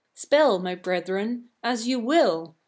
Spell, my brethren, as you will!